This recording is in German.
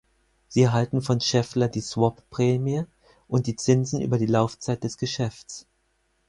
Sie erhalten von Schaeffler die Swap-Prämie und die Zinsen über die Laufzeit des Geschäfts.